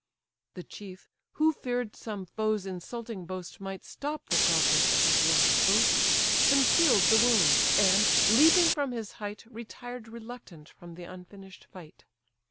The chief, who fear'd some foe's insulting boast Might stop the progress of his warlike host, Conceal'd the wound, and, leaping from his height Retired reluctant from the unfinish'd fight.